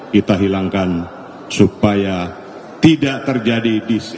kita hilangkan supaya tidak terjadi distribu